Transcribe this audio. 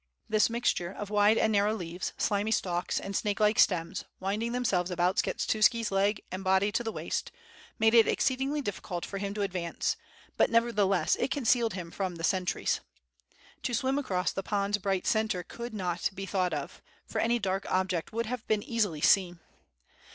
This mixture of wide and narrow leaves, slimy stalks, and snake like stems, winding themselves about Skshetuski's lega and body to the waist, made it exceedingly difficult for him to advance, but nevertheless it concealed him from the sentries. To swim across the pond's bright centre could not be thought of, for any dark oljjeet would have been easily seen.